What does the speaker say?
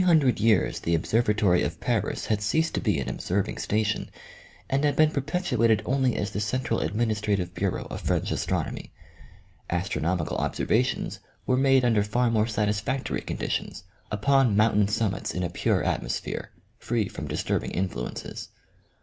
Not a month passed without the discovery of telescopic * For about 300 years the observatory of Paris had ceased to be an observing sta tion, and had been perpetuated only as the central administrative bureau of French astronomy. Astronomical observations were made under far more satisfactory con ditions upon mountain summits in a pure atmosphere, free from disturbing influences.